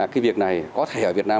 cái việc này có thể ở việt nam